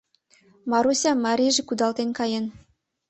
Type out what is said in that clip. Марусям марийже кудалтен каен.